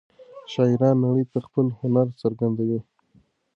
شاعران نړۍ ته خپل هنر څرګندوي.